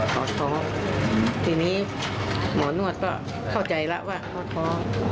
เขาท้อทีนี้หมอนวดก็เข้าใจแล้วว่าเขาท้อ